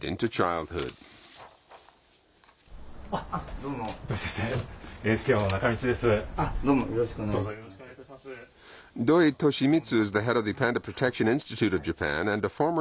どうも、よろしくお願いしま